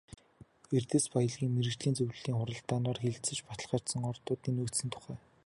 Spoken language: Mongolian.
Эрдэс баялгийн мэргэжлийн зөвлөлийн хуралдаанаар хэлэлцэж баталгаажсан ордуудын нөөцийн тухай баримт бий.